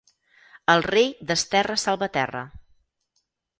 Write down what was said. El rei desterra Salvaterra.